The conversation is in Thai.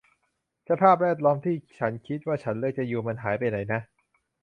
สภาพแวดล้อมที่ฉันคิดว่าฉันเลือกจะอยู่ มันหายไปไหนนะ